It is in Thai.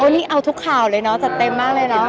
นี่เอาทุกข่าวเลยเนาะจัดเต็มมากเลยเนาะ